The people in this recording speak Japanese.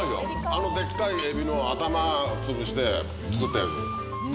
あのでっかいエビの頭つぶして作ったやつ。